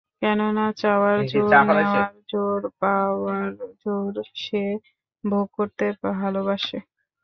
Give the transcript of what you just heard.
কেননা, চাওয়ার জোর, নেওয়ার জোর, পাওয়ার জোর সে ভোগ করতে ভালোবাসে।